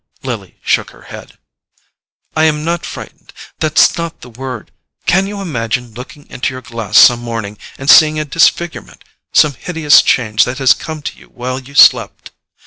Lily shook her head. "I am not frightened: that's not the word. Can you imagine looking into your glass some morning and seeing a disfigurement—some hideous change that has come to you while you slept?